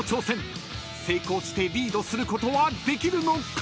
［成功してリードすることはできるのか⁉］